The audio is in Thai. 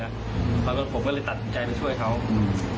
แล้วก็ผมก็เลยตัดสินใจไปช่วยเขาอืม